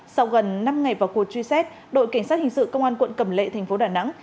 sau gần năm ngày vào cuộc truy xét đội cảnh sát hình sự công an quận cầm lệ thành phố đà nẵng